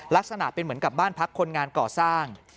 ลักษณะเป็นเหมือนกับบ้านพักคนงานก่อสร้าง